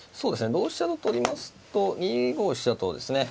同飛車と取りますと２五飛車とですね